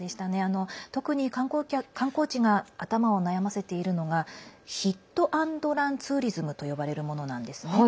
特に観光地が頭を悩ませているのがヒット・アンド・ランツーリズムと呼ばれるものなんですね。